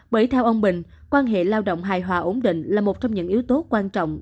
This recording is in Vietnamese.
bởi theo ông bình quan hệ lao động hài hòa ổn định là một trong những yếu tố quan trọng